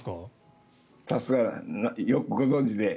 さすが、よくご存じで。